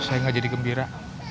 saya gak jadi gembira